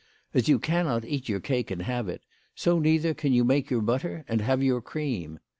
As you cannot eat your cake and have it, so neither can you make your butter and have your cream.